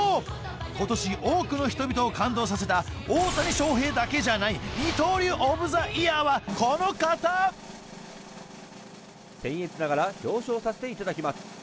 今年多くの人々を感動させた大谷翔平だけじゃない二刀流オブ・ザ・イヤー僭越ながら表彰させていただきます。